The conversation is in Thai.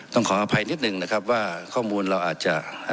ขออภัยนิดนึงนะครับว่าข้อมูลเราอาจจะ